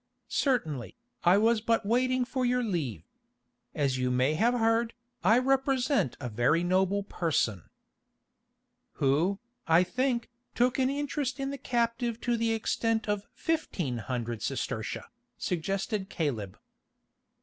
"Certainly, I was but waiting for your leave. As you may have heard, I represent a very noble person——" "Who, I think, took an interest in the captive to the extent of fifteen hundred sestertia," suggested Caleb.